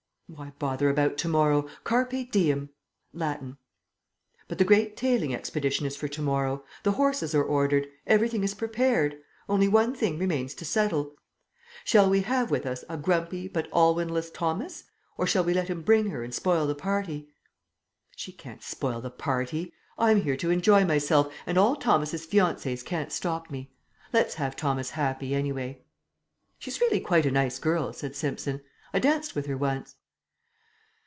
"Why bother about to morrow? Carpe diem. Latin." "But the great tailing expedition is for to morrow. The horses are ordered; everything is prepared. Only one thing remains to settle. Shall we have with us a grumpy but Aylwynless Thomas, or shall we let him bring her and spoil the party?" "She can't spoil the party. I'm here to enjoy myself, and all Thomas's fiancées can't stop me. Let's have Thomas happy, anyway." "She's really quite a nice girl," said Simpson. "I danced with her once."